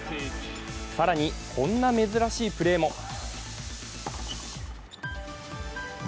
更に、こんな珍しいプレーも。